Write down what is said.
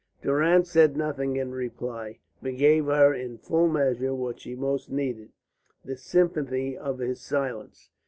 Durrance said nothing in reply, but gave her in full measure what she most needed, the sympathy of his silence.